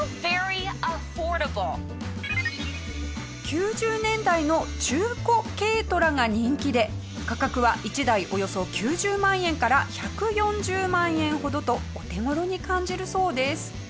９０年代の中古軽トラが人気で価格は１台およそ９０万から１４０万円ほどとお手頃に感じるそうです。